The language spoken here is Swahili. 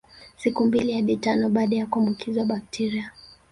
Siku mbili hadi tano baada ya kuambukizwa bakteria